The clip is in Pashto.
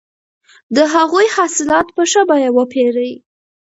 د هغوی حاصلات په ښه بیه وپېرئ.